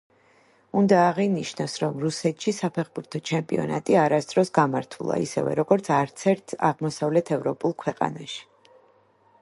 უნდა აღინიშნოს, რომ რუსეთში საფეხბურთო ჩემპიონატი არასდროს გამართულა, ისევე როგორც არცერთ აღმოსავლეთ ევროპულ ქვეყანაში.